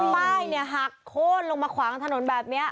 ป้ายเนี่ยหักโค้นลงมาขวางถนนแบบนี้